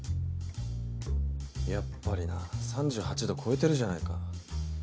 やっぱりな３８度超えてるじゃないか。